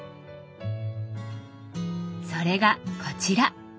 それがこちら。